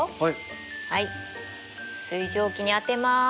はい水蒸気に当てます。